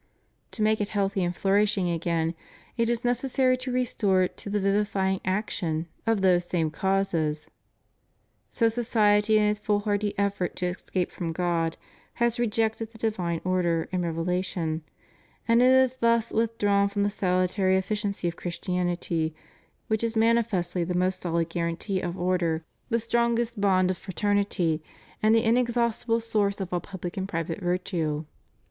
To make it health}^ and flourishing again it is necessary to restore it to the vivifying action of those same causes. So society in its foolhardy effort to escape from God has rejected the divine order and revela tion; and it is thus withdrawn from the salutary efficacj'' of Christianity which is manifestly the most solid guarantee of order, the strongest bond of fraternity, and the inex haustible source of all public and private virtue.